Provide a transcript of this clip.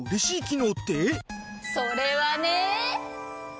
それはね。